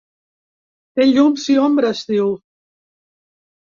Té llums i ombres, diu.